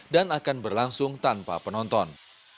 dan akan berlangsung tanpa penonton